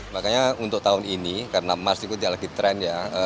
makanya untuk tahun ini karena marsik tidak lagi trend ya